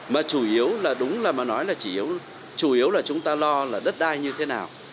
mà chủ yếu là đúng là mà nói là chủ yếu là chúng ta lo là đất đai như thế nào